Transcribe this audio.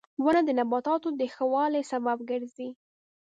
• ونه د نباتاتو د ښه والي سبب ګرځي.